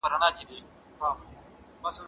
تیوري جوړه کړئ.